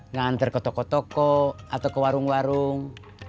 ngantar ke toko toko atau ke warung warung